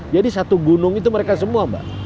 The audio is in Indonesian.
jadi satu gunung itu mereka semua mbak